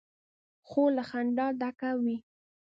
خور له خندا ډکه وي.